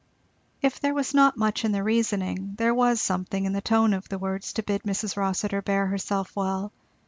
If there was not much in the reasoning there was something in the tone of the words to bid Mrs. Rossitur bear herself well.